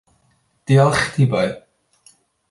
Diolch ti boi.